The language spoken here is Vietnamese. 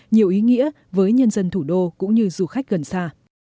nhiều ý nghĩa với nhân dân thủ đô cũng như du khách gần xa